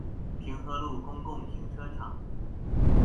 平和路公共停車場